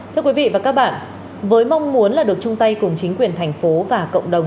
thưa quý vị và các bạn với mong muốn là được chung tay cùng chính quyền thành phố và cộng đồng